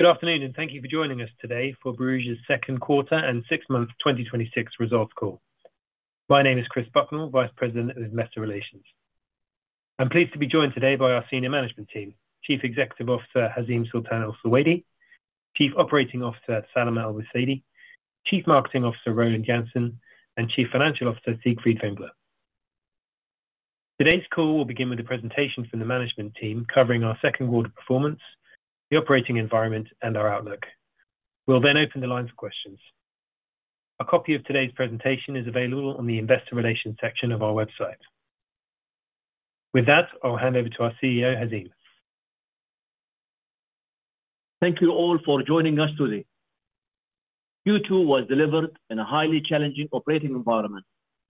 Good afternoon, and thank you for joining us today for Borouge's second quarter and six months 2026 results call. My name is Chris Bucknall, Vice President of Investor Relations. I am pleased to be joined today by our senior management team, Chief Executive Officer, Hazeem Sultan Al Suwaidi, Chief Operating Officer, Salem Al Busaeedi, Chief Marketing Officer, Roland Janssen, and Chief Financial Officer, Siegfried Wengler. Today's call will begin with a presentation from the management team covering our second quarter performance, the operating environment, and our outlook. We'll open the lines for questions. A copy of today's presentation is available on the investor relations section of our website. With that, I'll hand over to our Chief Executive Officer, Hazeem. Thank you all for joining us today. Q2 was delivered in a highly challenging operating environment,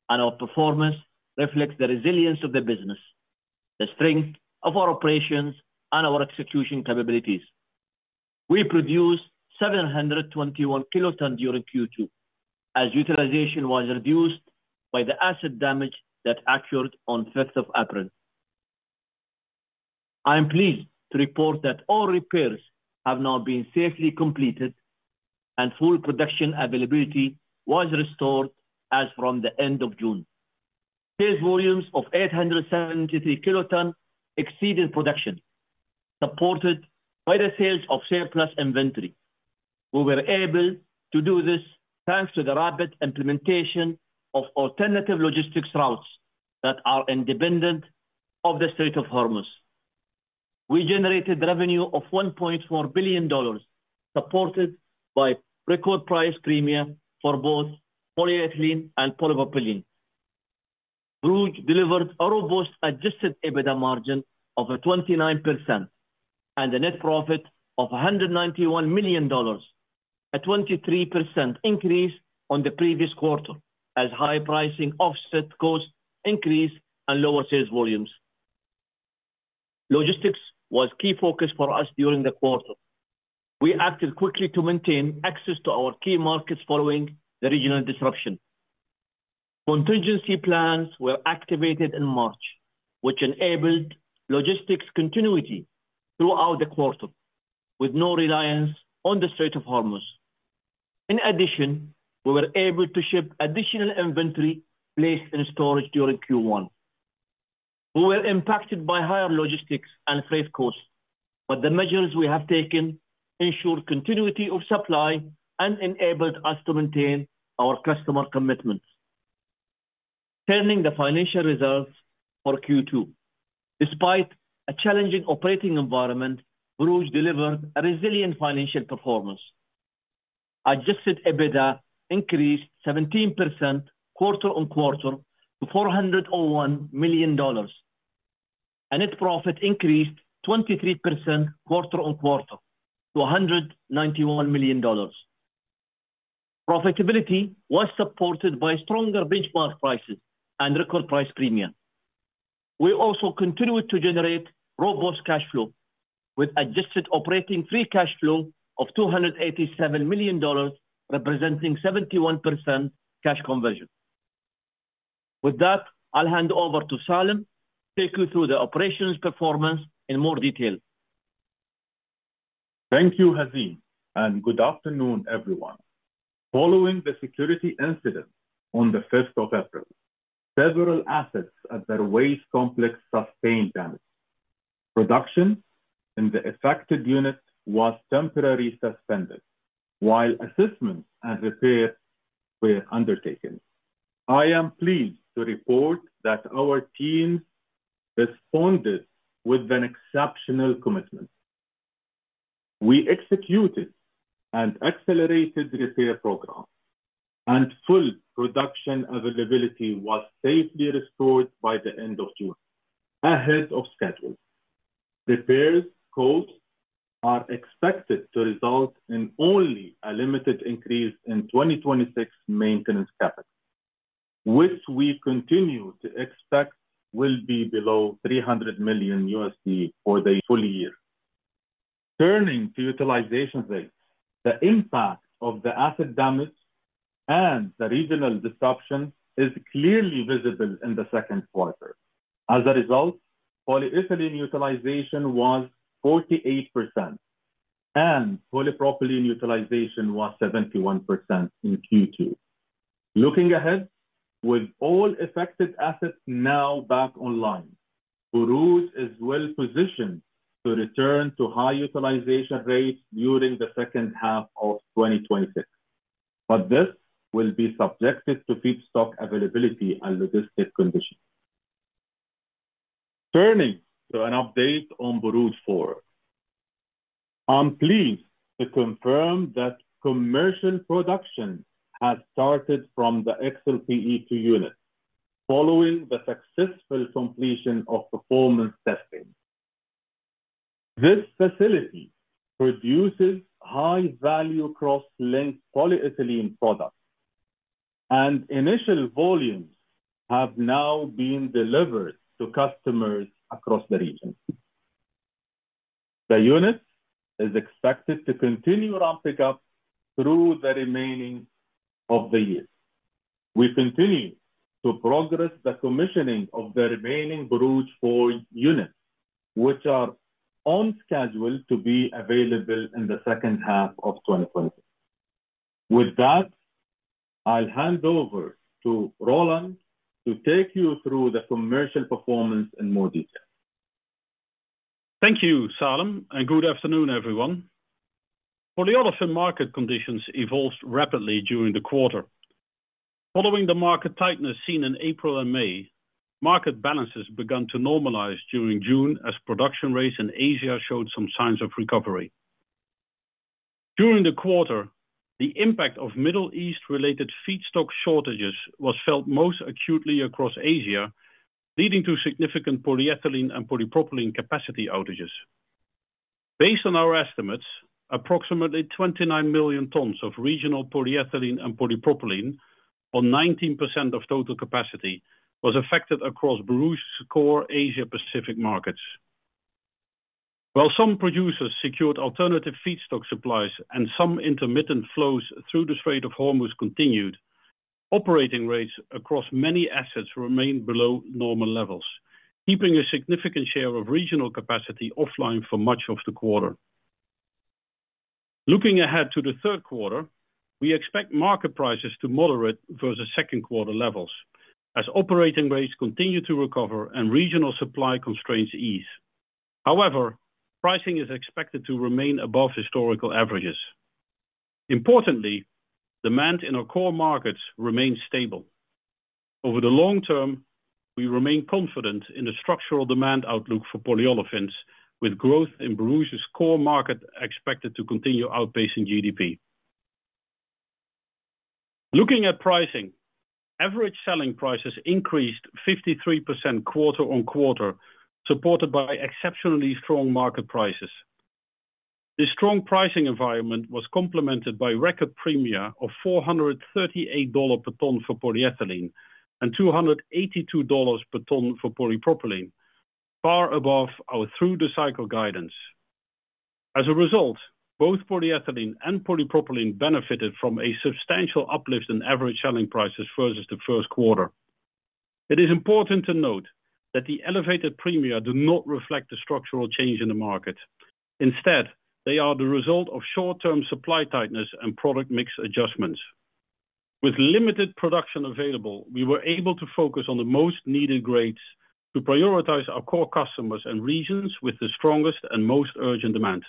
and our performance reflects the resilience of the business, the strength of our operations, and our execution capabilities. We produced 721 kiloton during Q2 as utilization was reduced by the asset damage that occurred on April 5th. I am pleased to report that all repairs have now been safely completed, and full production availability was restored as from the end of June. Sales volumes of 873 kiloton exceeded production, supported by the sales of surplus inventory. We were able to do this thanks to the rapid implementation of alternative logistics routes that are independent of the Strait of Hormuz. We generated revenue of $1.4 billion, supported by record price premia for both polyethylene and polypropylene. Borouge delivered a robust adjusted EBITDA margin of 29% and a net profit of $191 million, a 23% increase on the previous quarter as high pricing offset cost increase and lower sales volumes. Logistics was key focus for us during the quarter. We acted quickly to maintain access to our key markets following the regional disruption. Contingency plans were activated in March, which enabled logistics continuity throughout the quarter, with no reliance on the Strait of Hormuz. In addition, we were able to ship additional inventory placed in storage during Q1. We were impacted by higher logistics and freight costs, but the measures we have taken ensure continuity of supply and enabled us to maintain our customer commitments. Turning the financial results for Q2. Despite a challenging operating environment, Borouge delivered a resilient financial performance. Adjusted EBITDA increased 17% quarter-on-quarter to $401 million. Net profit increased 23% quarter-on-quarter to $191 million. Profitability was supported by stronger benchmark prices and record price premia. We also continued to generate robust cash flow with adjusted operating free cash flow of $287 million, representing 71% cash conversion. With that, I'll hand over to Salem to take you through the operations performance in more detail. Thank you, Hazeem, and good afternoon, everyone. Following the security incident on the 5th of April, several assets at the Ruwais complex sustained damage. Production in the affected unit was temporarily suspended while assessments and repairs were undertaken. I am pleased to report that our team responded with an exceptional commitment. We executed and accelerated the repair program and full production availability was safely restored by the end of June, ahead of schedule. Repairs costs are expected to result in only a limited increase in 2026 maintenance capital, which we continue to expect will be below $300 million for the full year. Turning to utilization rates. The impact of the asset damage and the regional disruption is clearly visible in the second quarter. As a result, polyethylene utilization was 48%, and polypropylene utilization was 71% in Q2. Looking ahead, with all affected assets now back online, Borouge is well-positioned to return to high utilization rates during the second half of 2026. This will be subjected to feedstock availability and logistic conditions. Turning to an update on Borouge 4. I am pleased to confirm that commercial production has started from the XLPE 2 unit following the successful completion of performance testing. This facility produces high-value cross-linked polyethylene products, and initial volumes have now been delivered to customers across the region. The unit is expected to continue ramp up through the remaining of the year. We continue to progress the commissioning of the remaining Borouge 4 units, which are on schedule to be available in the second half of 2026. With that, I will hand over to Roland to take you through the commercial performance in more detail. Thank you, Salem, and good afternoon, everyone. Polyolefin market conditions evolved rapidly during the quarter. Following the market tightness seen in April and May, market balances began to normalize during June as production rates in Asia showed some signs of recovery. During the quarter, the impact of Middle East-related feedstock shortages was felt most acutely across Asia, leading to significant polyethylene and polypropylene capacity outages. Based on our estimates, approximately 29 million tons of regional polyethylene and polypropylene, or 19% of total capacity, was affected across Borouge's core Asia-Pacific markets. While some producers secured alternative feedstock supplies and some intermittent flows through the Strait of Hormuz continued, operating rates across many assets remained below normal levels, keeping a significant share of regional capacity offline for much of the quarter. Looking ahead to the third quarter, we expect market prices to moderate versus second quarter levels as operating rates continue to recover and regional supply constraints ease. Pricing is expected to remain above historical averages. Demand in our core markets remains stable. Over the long term, we remain confident in the structural demand outlook for polyolefins, with growth in Borouge's core market expected to continue outpacing GDP. Looking at pricing, average selling prices increased 53% quarter on quarter, supported by exceptionally strong market prices. This strong pricing environment was complemented by record premia of AED 438 per ton for polyethylene and AED 282 per ton for polypropylene, far above our through-the-cycle guidance. Both polyethylene and polypropylene benefited from a substantial uplift in average selling prices versus the first quarter. It is important to note that the elevated premia do not reflect a structural change in the market. Instead, they are the result of short-term supply tightness and product mix adjustments. With limited production available, we were able to focus on the most needed grades to prioritize our core customers and regions with the strongest and most urgent demand.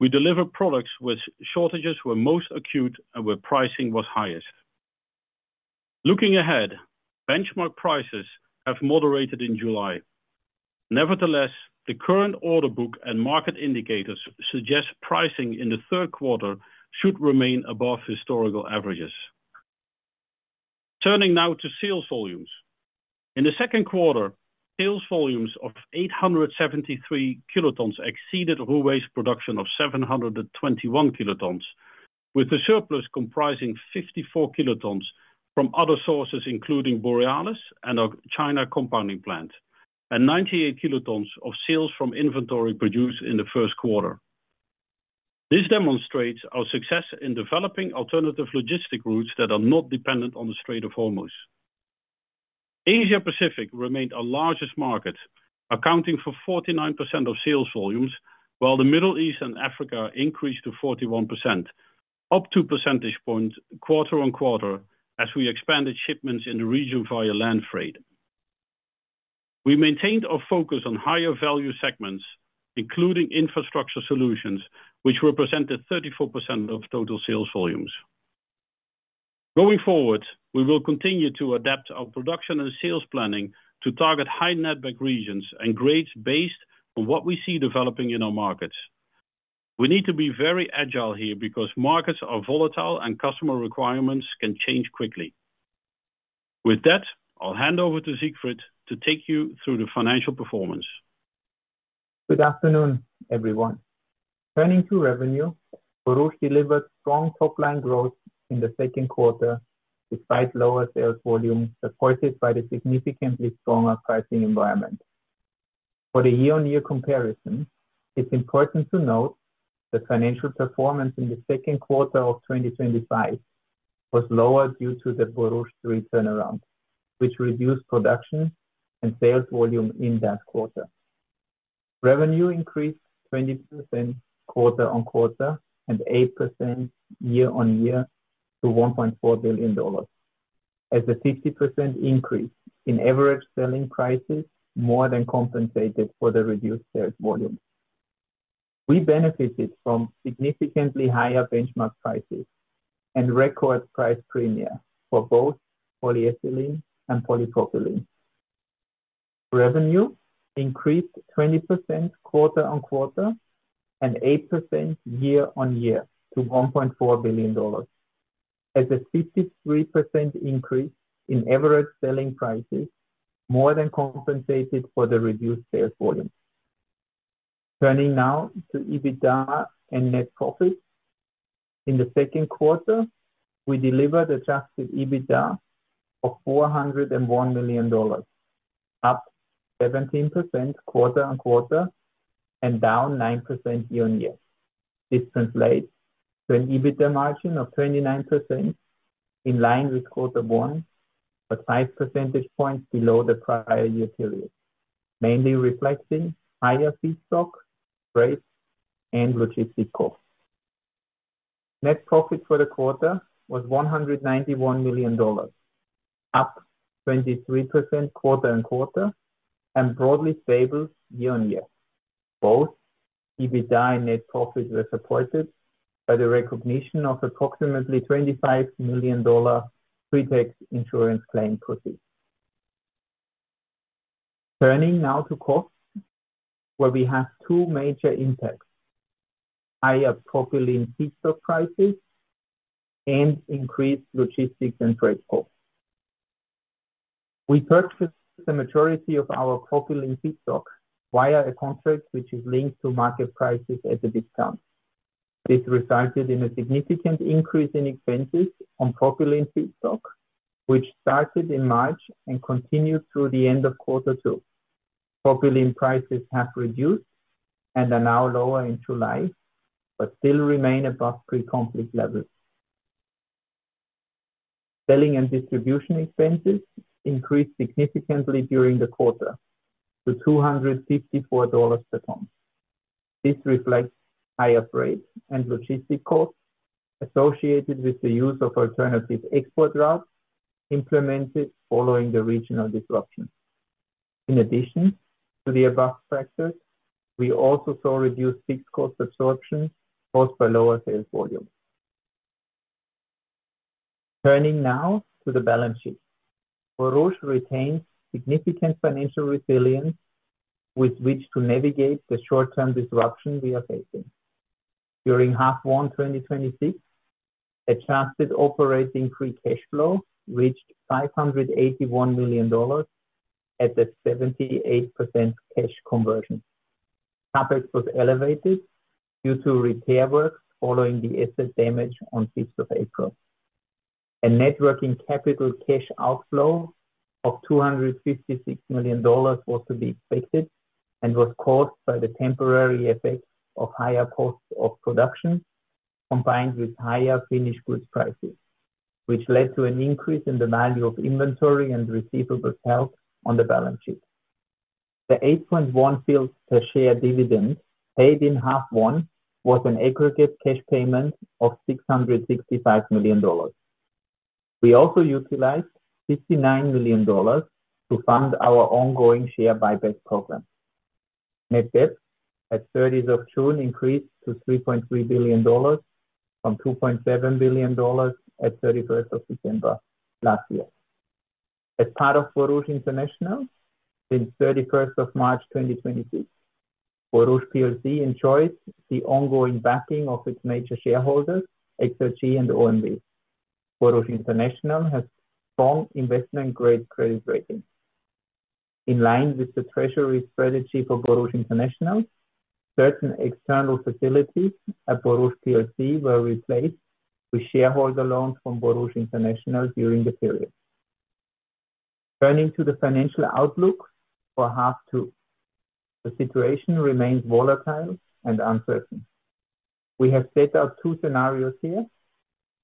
We deliver products where shortages were most acute and where pricing was highest. Looking ahead, benchmark prices have moderated in July. Nevertheless, the current order book and market indicators suggest pricing in the third quarter should remain above historical averages. Turning now to sales volumes. In the second quarter, sales volumes of 873 kiloton exceeded Ruwais' production of 721 kiloton, with the surplus comprising 54 kiloton from other sources, including Borealis and our China compounding plant, and 98 kiloton of sales from inventory produced in the first quarter. This demonstrates our success in developing alternative logistic routes that are not dependent on the Strait of Hormuz. Asia-Pacific remained our largest market, accounting for 49% of sales volumes, while the Middle East and Africa increased to 41%, up 2 percentage points quarter-on-quarter as we expanded shipments in the region via land freight. We maintained our focus on higher value segments, including infrastructure solutions, which represented 34% of total sales volumes. Going forward, we will continue to adapt our production and sales planning to target high netback regions and grades based on what we see developing in our markets. We need to be very agile here because markets are volatile and customer requirements can change quickly. With that, I'll hand over to Siegfried to take you through the financial performance. Good afternoon, everyone. Turning to revenue, Borouge delivered strong top-line growth in the second quarter despite lower sales volumes, supported by the significantly stronger pricing environment. For the year-on-year comparison, it's important to note that financial performance in the second quarter of 2025 was lower due to the Borouge 3 turnaround, which reduced production and sales volume in that quarter. Revenue increased 20% quarter-on-quarter and 8% year-on-year to $1.4 billion as a 50% increase in average selling prices more than compensated for the reduced sales volume. We benefited from significantly higher benchmark prices and record price premia for both polyethylene and polypropylene. Revenue increased 20% quarter-on-quarter and 8% year-on-year to $1.4 billion as a 53% increase in average selling prices more than compensated for the reduced sales volume. Turning now to EBITDA and net profit. In the second quarter, we delivered adjusted EBITDA of $401 million, up 17% quarter-on-quarter, and down 9% year-on-year. This translates to an EBITDA margin of 29%, in line with quarter one, but five percentage points below the prior year period, mainly reflecting higher feedstock, freight, and logistic costs. Net profit for the quarter was $191 million, up 23% quarter-on-quarter, and broadly stable year-on-year. Both EBITDA and net profits were supported by the recognition of approximately $25 million pre-tax insurance claim proceeds. Turning now to costs, where we have two major impacts. Higher propylene feedstock prices and increased logistics and freight costs. We purchased the majority of our propylene feedstock via a contract which is linked to market prices at a discount. This resulted in a significant increase in expenses on propylene feedstock, which started in March and continued through the end of Q2. Propylene prices have reduced and are now lower in July, but still remain above pre-conflict levels. Selling and distribution expenses increased significantly during the quarter to $254 per ton. This reflects higher freight and logistic costs associated with the use of alternative export routes implemented following the regional disruption. In addition to the above factors, we also saw reduced fixed cost absorption caused by lower sales volume. Turning now to the balance sheet. Borouge retains significant financial resilience with which to navigate the short-term disruption we are facing. During H1 2026, adjusted operating free cash flow reached $581 million at a 78% cash conversion. CapEx was elevated due to repair works following the asset damage on April 5th. A net working capital cash outflow of $256 million was to be expected and was caused by the temporary effect of higher costs of production, combined with higher finished goods prices, which led to an an increase in the value of inventory and receivables held on the balance sheet. The 8.1 fils per share dividend paid in half one was an aggregate cash payment of $665 million. We also utilized $59 million to fund our ongoing share buyback program. Net debt at June 30th increased to $3.3 billion from $2.7 billion at December 31st last year. As part of Borouge International, since March 31st, 2026, Borouge Plc enjoys the ongoing backing of its major shareholders, ADNOC and OMV. Borouge International has strong investment-grade credit ratings. In line with the Treasury strategy for Borouge International, certain external facilities at Borouge Plc were replaced with shareholder loans from Borouge International during the period. Turning to the financial outlook for half two. The situation remains volatile and uncertain. We have set out two scenarios here.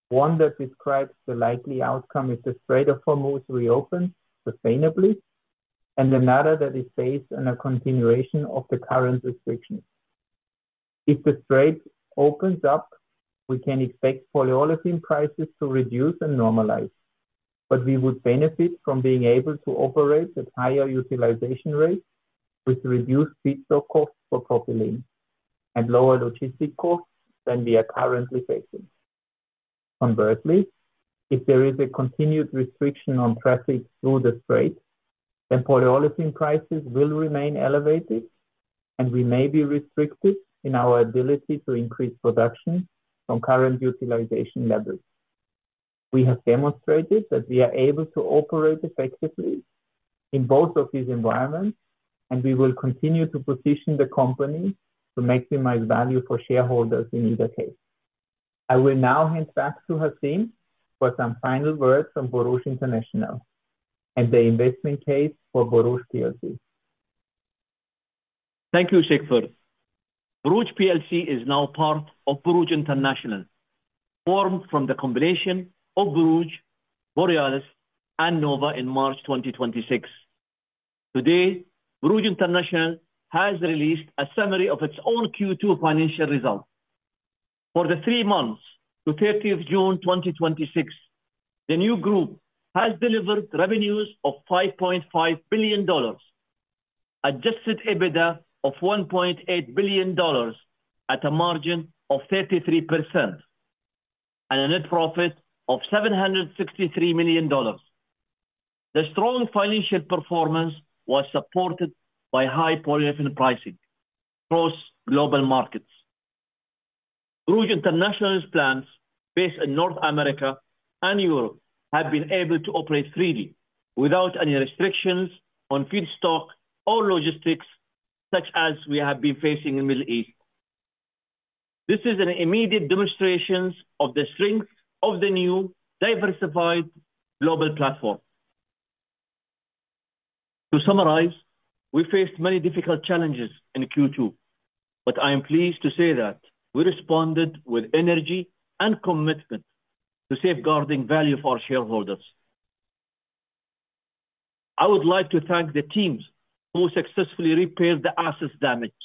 One that describes the likely outcome if the Strait of Hormuz reopens sustainably, and another that is based on a continuation of the current restrictions. If the Strait opens up, we can expect polyolefin prices to reduce and normalize, but we would benefit from being able to operate at higher utilization rates with reduced feedstock costs for propylene and lower logistic costs than we are currently facing. Conversely, if there is a continued restriction on traffic through the Strait, then polyolefin prices will remain elevated, and we may be restricted in our ability to increase production from current utilization levels. We have demonstrated that we are able to operate effectively in both of these environments, and we will continue to position the company to maximize value for shareholders in either case. I will now hand back to Hazeem for some final words from Borouge International and the investment case for Borouge Plc. Thank you, Siegfried. Borouge Plc is now part of Borouge International, formed from the combination of Borouge, Borealis, and NOVA Chemicals in March 2026. Today, Borouge International has released a summary of its own Q2 financial results. For the three months to June 30th, 2026, the new group has delivered revenues of $5.5 billion, adjusted EBITDA of $1.8 billion at a margin of 33%, and a net profit of $763 million. The strong financial performance was supported by high polyolefin pricing across global markets. Borouge International's plants based in North America and Europe have been able to operate freely without any restrictions on feedstock or logistics such as we have been facing in the Middle East. This is an immediate demonstration of the strength of the new diversified global platform. To summarize, we faced many difficult challenges in Q2, but I am pleased to say that we responded with energy and commitment to safeguarding value for our shareholders. I would like to thank the teams who successfully repaired the assets damaged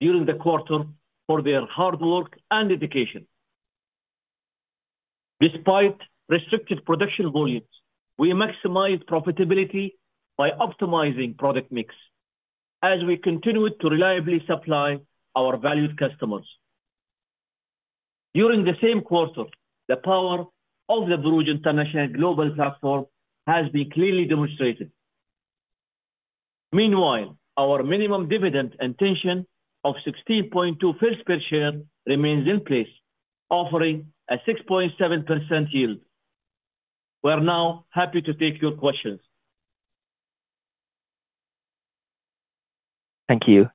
during the quarter for their hard work and dedication. Despite restricted production volumes, we maximized profitability by optimizing product mix as we continued to reliably supply our valued customers. During the same quarter, the power of the Borouge International global platform has been clearly demonstrated. Meanwhile, our minimum dividend intention of 16.2 fils per share remains in place, offering a 6.7% yield. We are now happy to take your questions. Thank you.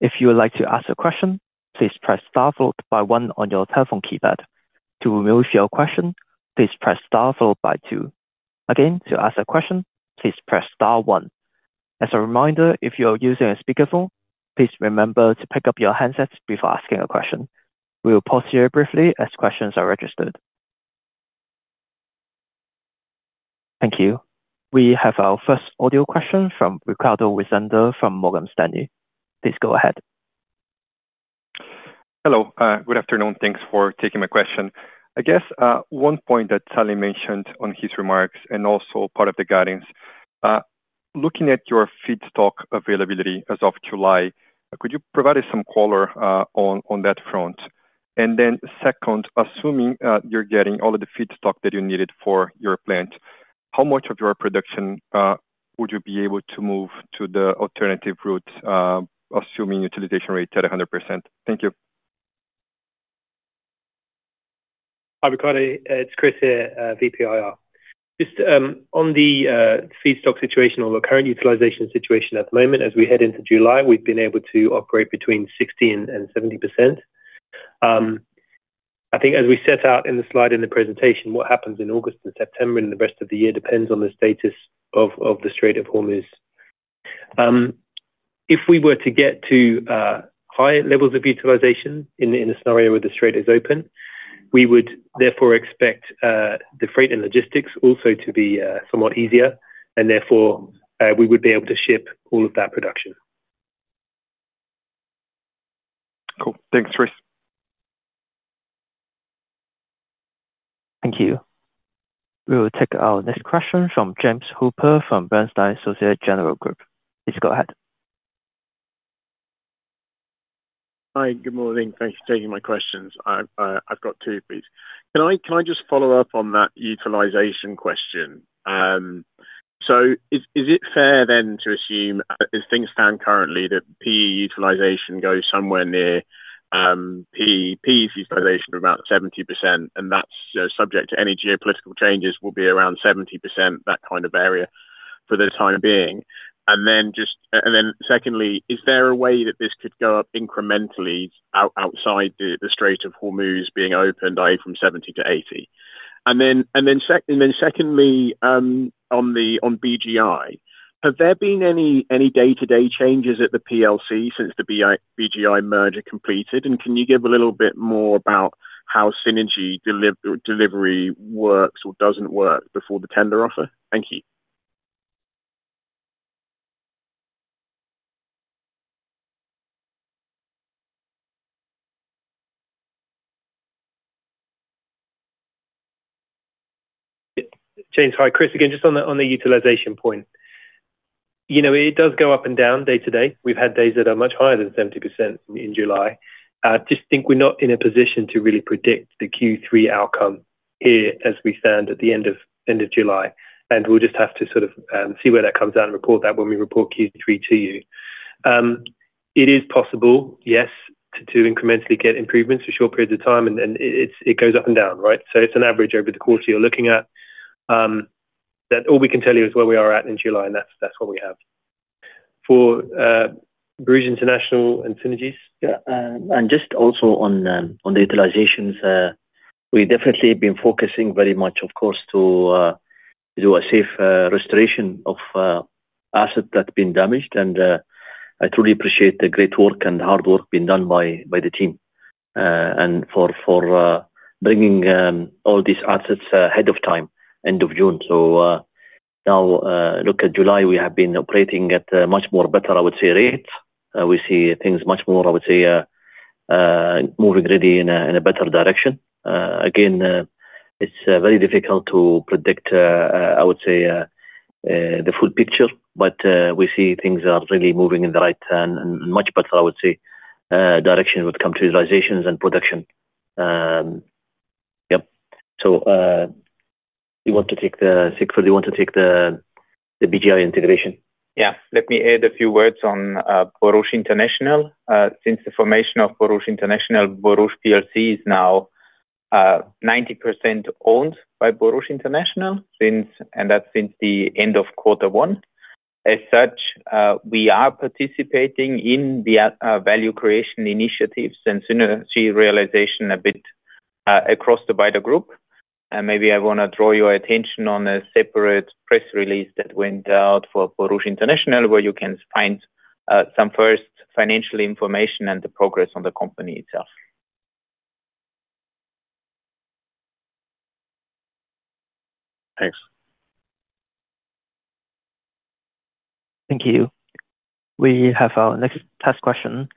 If you would like to ask a question, please press star followed by one on your telephone keypad. To remove your question, please press star followed by two. Again, to ask a question, please press star one. As a reminder, if you are using a speakerphone, please remember to pick up your handsets before asking a question. We will pause here briefly as questions are registered. Thank you. We have our first audio question from Ricardo Rezende from Morgan Stanley. Please go ahead. Hello. Good afternoon. Thanks for taking my question. I guess, one point that Salem mentioned on his remarks, also part of the guidance, looking at your feedstock availability as of July, could you provide some color on that front? Then second, assuming you're getting all of the feedstock that you needed for your plant, how much of your production would you be able to move to the alternative route, assuming utilization rates at 100%? Thank you. Hi, Ricardo. It's Chris here, Vice President of Investor Relations. Just on the feedstock situation or the current utilization situation at the moment, as we head into July, we've been able to operate between 60%-70%. I think as we set out in the slide in the presentation, what happens in August and September and the rest of the year depends on the status of the Strait of Hormuz. If we were to get to higher levels of utilization in a scenario where the strait is open, we would therefore expect the freight and logistics also to be somewhat easier, and therefore, we would be able to ship all of that production. Cool. Thanks, Chris. Thank you. We will take our next question from James Hooper from Bernstein. Please go ahead. Hi. Good morning. Thanks for taking my questions. I've got two, please. Can I just follow up on that utilization question? Is it fair then to assume, as things stand currently, that PE utilization goes somewhere near PE utilization of about 70%, that's subject to any geopolitical changes will be around 70%, that kind of area for the time being? Secondly, is there a way that this could go up incrementally out outside the Strait of Hormuz being opened, i.e., from 70%-80%? Secondly, on BGI, have there been any day-to-day changes at the PLC since the BGI merger completed? Can you give a little bit more about how synergy delivery works or doesn't work before the tender offer? Thank you. James, hi. Chris again. Just on the utilization point. It does go up and down day to day. We've had days that are much higher than 70% in July. I just think we're not in a position to really predict the Q3 outcome here as we stand at the end of July. We'll just have to sort of see where that comes out and report that when we report Q3 to you. It is possible, yes, to incrementally get improvements for short periods of time, and it goes up and down, right? It's an average over the course you're looking at. All we can tell you is where we are at in July, and that's what we have. For Borouge International and synergies- Just also on the utilizations, we definitely have been focusing very much, of course, to do a safe restoration of assets that's been damaged. I truly appreciate the great work and hard work being done by the team, and for bringing all these assets ahead of time, end of June. Now look at July, we have been operating at a much more better, I would say, rates. We see things much more, I would say, moving really in a better direction. Again, it's very difficult to predict, I would say, the full picture. We see things are really moving in the right and much better, I would say, direction when it comes to utilizations and production. Yep. Siegfried, do you want to take the BGI integration? Let me add a few words on Borouge International. Since the formation of Borouge International, Borouge Plc is now 90% owned by Borouge International, and that's since the end of quarter one. As such, we are participating in the value creation initiatives and synergy realization a bit across the wider group. Maybe I want to draw your attention on a separate press release that went out for Borouge International, where you can find some first financial information and the progress on the company itself. Thanks. Thank you. We have our next test question.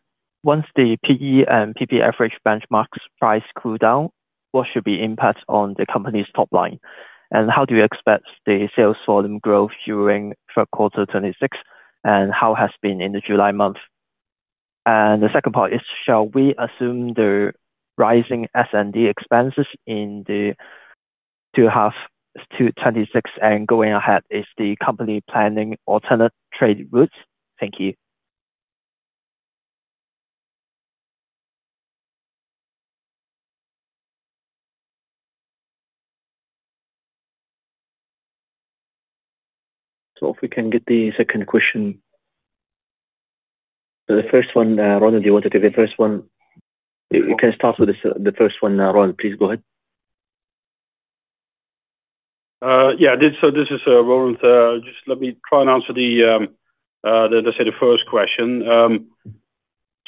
Once the PE and PP average benchmarks price cool down, what should be impact on the company's top line? How do you expect the sales volume growth during third quarter 2026, and how has been in the July month? The second part is, shall we assume the rising S&D expenses in the second half 2026 and going ahead, is the company planning alternate trade routes? Thank you. If we can get the second question. The first one, Roland, do you want to take the first one? We can start with the first one, Roland, please go ahead. This is Roland. Just let me try and answer the first question.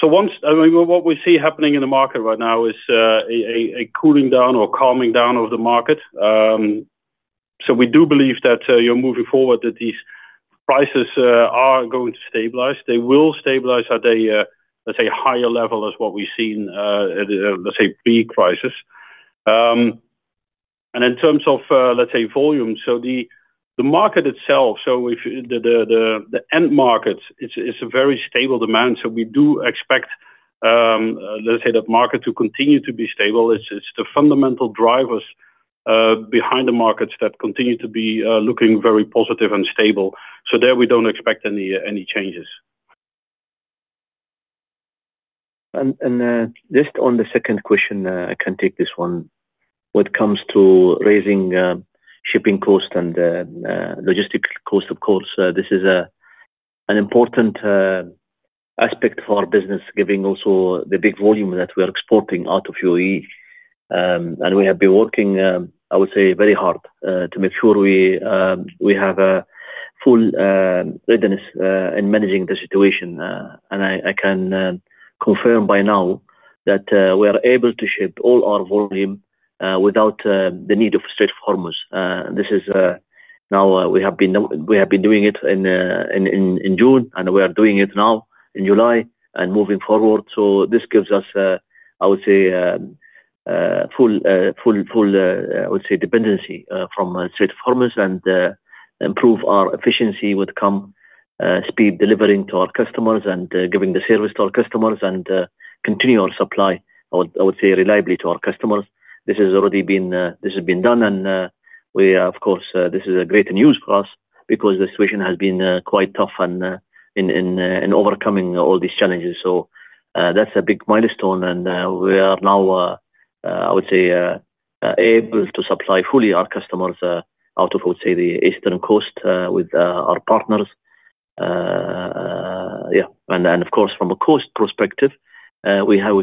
What we see happening in the market right now is a cooling down or calming down of the market. We do believe that you're moving forward, that these prices are going to stabilize. They will stabilize at a, let's say, higher level as what we've seen, let's say, pre-crisis. In terms of volume. The market itself, the end market, it's a very stable demand. We do expect that market to continue to be stable. It's the fundamental drivers behind the markets that continue to be looking very positive and stable. There, we don't expect any changes. Just on the second question, I can take this one. When it comes to rising shipping cost and logistic cost, of course, this is an important aspect for our business, giving also the big volume that we are exporting out of UAE. We have been working, I would say, very hard, to make sure we have a full readiness in managing the situation. I can confirm by now that we are able to ship all our volume without the need of Strait of Hormuz. We have been doing it in June, and we are doing it now in July and moving forward. This gives us a full independency from Strait of Hormuz and improve our efficiency with high speed delivering to our customers and giving the service to our customers and continue our supply, I would say, reliably to our customers. This has been done and this is a great news for us because the situation has been quite tough in overcoming all these challenges. That's a big milestone and we are now able to supply fully our customers out of the eastern coast with our partners. Yeah. Of course, from a cost perspective, we have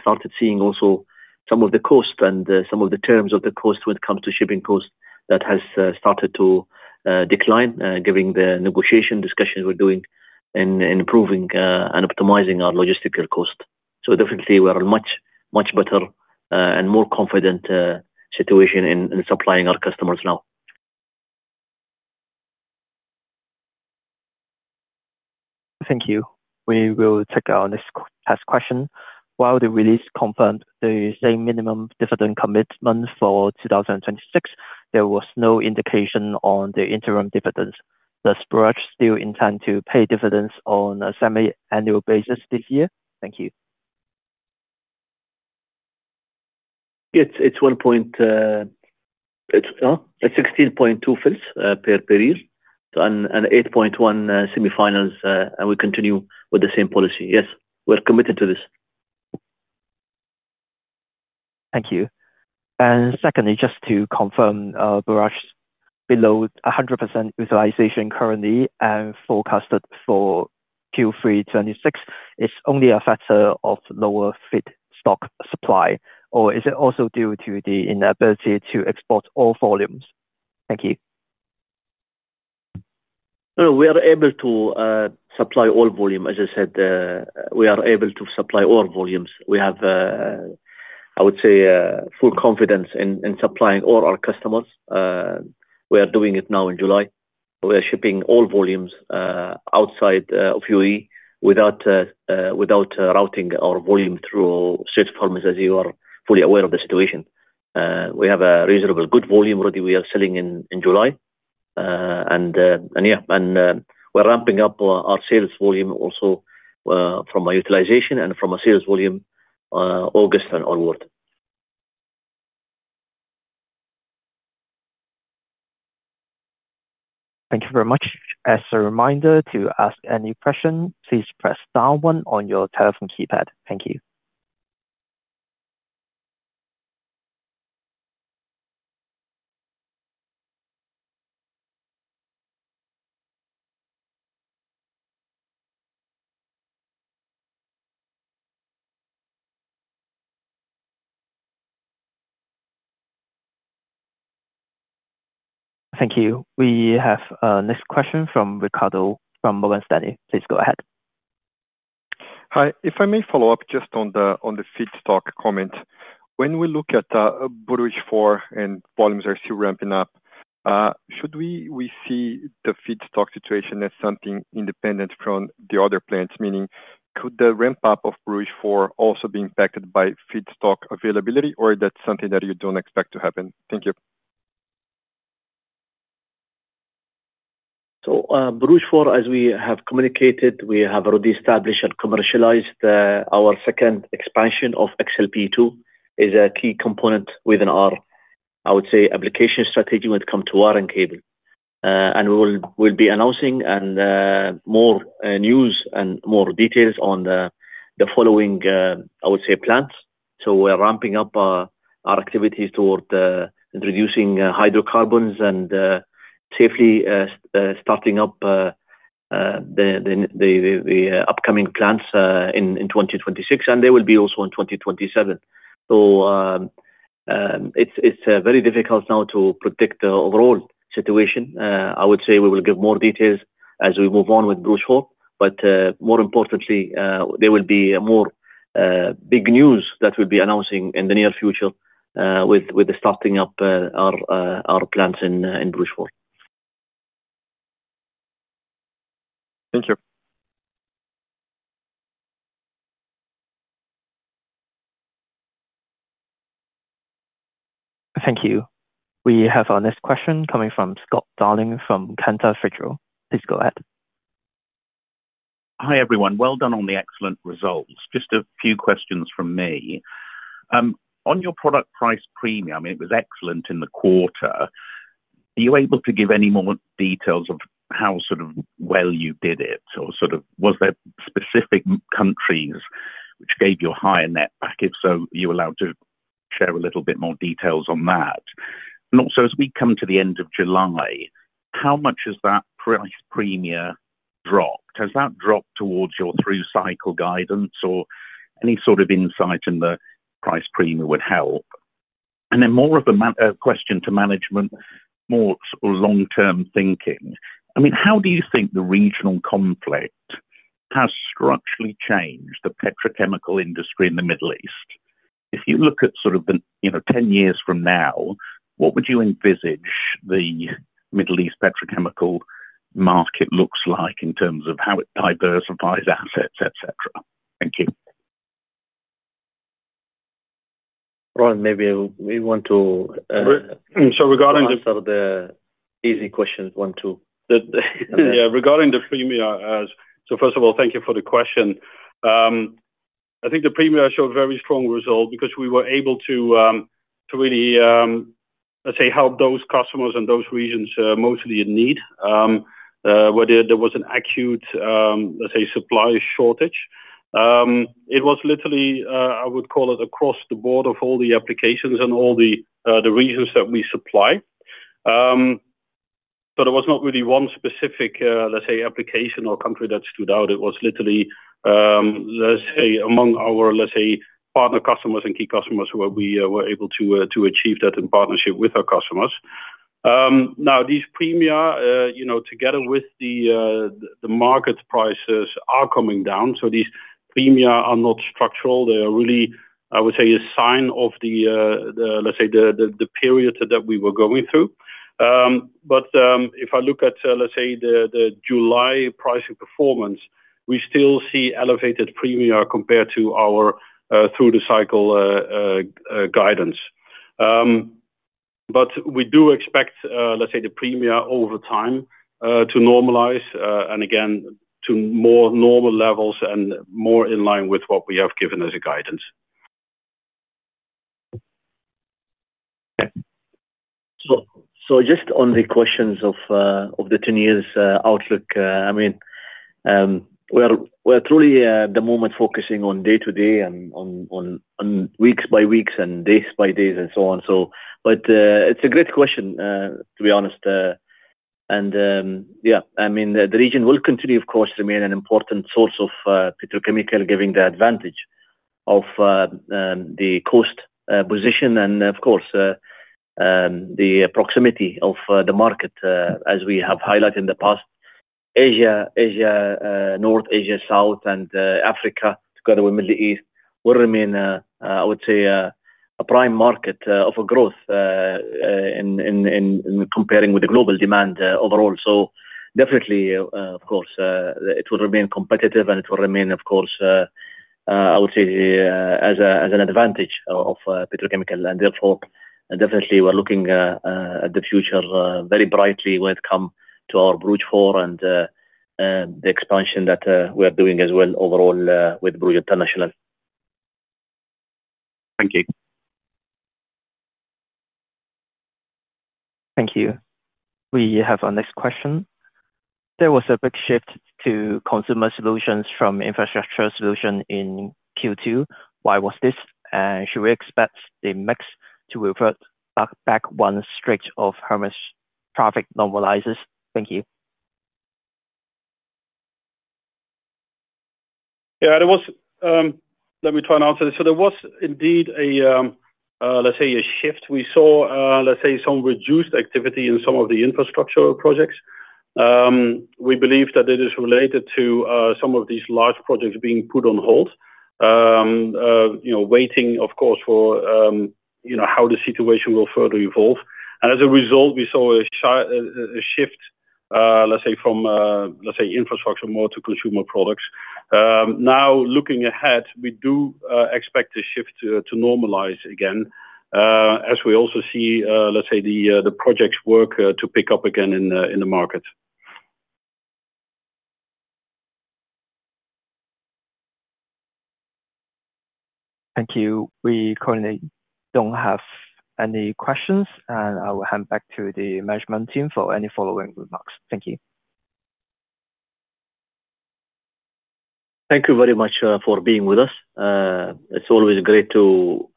started seeing also some of the cost and some of the terms of the cost when it comes to shipping cost that has started to decline, giving the negotiation discussions we're doing in improving and optimizing our logistical cost. Definitely, we are much better and more confident situation in supplying our customers now. Thank you. We will take our next question. While the release confirmed the same minimum dividend commitment for 2026, there was no indication on the interim dividends. Does Borouge still intend to pay dividends on a semi-annual basis this year? Thank you. It's 16.2 fils per year and 8.1 fils semi-annual. We continue with the same policy. Yes, we're committed to this. Thank you. Secondly, just to confirm Borouge below 100% utilization currently and forecasted for Q3 2026 is only a factor of lower feedstock supply, or is it also due to the inability to export all volumes? Thank you. No, we are able to supply all volume. As I said, we are able to supply all volumes. We have full confidence in supplying all our customers. We are doing it now in July. We are shipping all volumes outside of UAE without routing our volume through Strait of Hormuz, as you are fully aware of the situation. We have a reasonable good volume already we are selling in July. We're ramping up our sales volume also from a utilization and from a sales volume August and onward. Thank you very much. As a reminder, to ask any question, please press star one on your telephone keypad. Thank you. Thank you. We have our next question from Ricardo from Morgan Stanley. Please go ahead. Hi. If I may follow up just on the feedstock comment. When we look at Borouge 4 and volumes are still ramping up, should we see the feedstock situation as something independent from the other plants? Meaning could the ramp-up of Borouge 4 also be impacted by feedstock availability, or that's something that you don't expect to happen? Thank you. Borouge 4, as we have communicated, we have already established and commercialized our second expansion of XLPE 2, is a key component within our, I would say, application strategy when it comes to wire and cable. We'll be announcing more news and more details on the following, I would say, plants. We're ramping up our activities toward introducing hydrocarbons and safely starting up the upcoming plants in 2026, and they will be also in 2027. It's very difficult now to predict the overall situation. I would say we will give more details as we move on with Borouge 4, but more importantly, there will be more big news that we'll be announcing in the near future with the starting up our plants in Borouge 4. Thanks. Thank you. We have our next question coming from Scott Darling from Cantor Fitzgerald. Please go ahead. Hi, everyone. Well done on the excellent results. Just a few questions from me. On your product price premia, I mean, it was excellent in the quarter. Are you able to give any more details of how sort of well you did it, or was there specific countries which gave you a higher netback? If so, are you allowed to share a little bit more details on that? Also, as we come to the end of July, how much has that price premia dropped? Has that dropped towards your through cycle guidance, or any sort of insight in the price premia would help. Then more of a question to management, more long-term thinking. I mean, how do you think the regional conflict has structurally changed the petrochemical industry in the Middle East? If you look at sort of the 10 years from now, what would you envisage the Middle East petrochemical market looks like in terms of how it diversifies assets, et cetera? Thank you. Ron, maybe we want to- regarding the- Answer the easy questions one, two. Yeah. Regarding the premia, first of all, thank you for the question. I think the premia showed very strong result because we were able to really, let's say, help those customers and those regions mostly in need, where there was an acute, let's say, supply shortage. It was literally, I would call it, across the board of all the applications and all the regions that we supply. There was not really one specific, let's say, application or country that stood out. It was literally, let's say, among our partner customers and key customers where we were able to achieve that in partnership with our customers. These premia together with the market prices are coming down. These premia are not structural. They are really, I would say, a sign of the period that we were going through. if I look at, let's say, the July pricing performance, we still see elevated premia compared to our through the cycle guidance. We do expect, let's say, the premia over time to normalize, and again, to more normal levels and more in line with what we have given as a guidance. Just on the questions of the 10-year outlook, we are truly at the moment focusing on day to day and on weeks by weeks and days by days and so on. It's a great question, to be honest. Yeah. The region will continue, of course, to remain an important source of petrochemical, giving the advantage of the cost position and, of course, the proximity of the market, as we have highlighted in the past. Asia, North Asia, South, and Africa together with Middle East will remain, I would say, a prime market of a growth in comparing with the global demand overall. Definitely, of course, it will remain competitive and it will remain, of course, I would say, as an advantage of petrochemical and therefore, definitely we're looking at the future very brightly when it come to our Borouge 4 and the expansion that we are doing as well overall with Borouge International. Thank you. Thank you. We have our next question. There was a big shift to consumer solutions from infrastructure solutions in Q2. Why was this? Should we expect the mix to revert back once Strait of Hormuz traffic normalizes? Thank you. Yeah. Let me try and answer this. There was indeed, let's say, a shift. We saw, let's say, some reduced activity in some of the infrastructural projects. We believe that it is related to some of these large projects being put on hold, waiting, of course, for how the situation will further evolve. As a result, we saw a shift, let's say, from infrastructure more to consumer products. Now looking ahead, we do expect the shift to normalize again, as we also see, let's say the projects work to pick up again in the market. Thank you. We currently don't have any questions, and I will hand back to the management team for any following remarks. Thank you. Thank you very much for being with us. It's always great to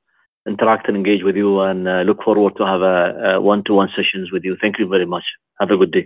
interact and engage with you, and look forward to have one-to-one sessions with you. Thank you very much. Have a good day